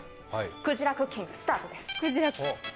くじらクッキングスタートです。